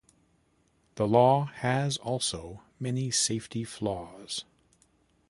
The law has also many safety flaws.